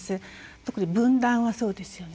特に分断はそうですよね。